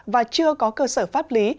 và chưa có cơ sở pháp lý